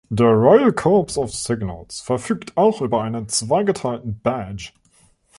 Der Royal Corps of Signals verfügt auch über einen zweigeteilten Badge.